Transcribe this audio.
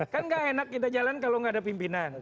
kan tidak enak kita jalan kalau tidak ada pimpinan